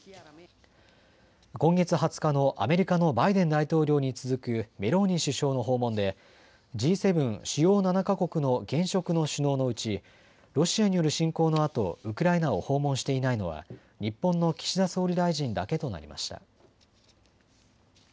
今月２０日のアメリカのバイデン大統領に続くメローニ首相の訪問でＧ７・主要７か国の現職の首脳のうちロシアによる侵攻のあとウクライナを訪問していないのは日本の岸田総理大臣だけとなりました。